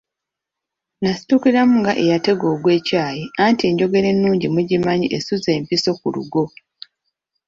Nasitukiramu ng'eyatega ogw'ekyayi, anti enjogera ennungi mugimanyi esuza empisi ku lugo.